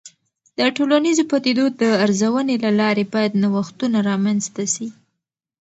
د ټولنیزو پدیدو د ارزونې له لارې باید نوښتونه رامنځته سي.